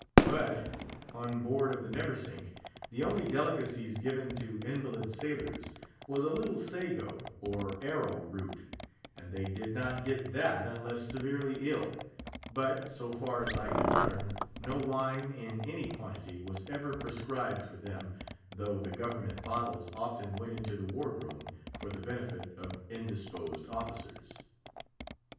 But, on board of the Neversink, the only delicacies given to invalid sailors was a little sago or arrow root, and they did not get that unless severely ill; but, so far as I could learn, no wine, in any quantity, was ever prescribed for them, though the Government bottles often went into the ward room, for the benefit of indisposed officers.